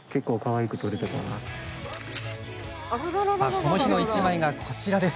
この日の１枚がこちらです。